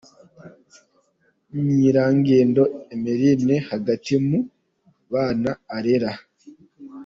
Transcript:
Nyirangendo Emilienne hagati mu bana arera .